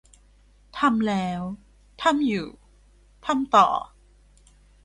ทำแล้ว ทำอยู่ ทำต่อ